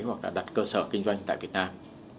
hoặc là đặt cơ sở kinh doanh tại việt nam